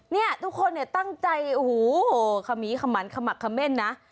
เนี่ยทุกคนตั้งใจโอ้โหคะมีคะหมันคะหมักคะเม่นนะ